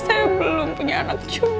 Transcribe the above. saya belum punya anak kecil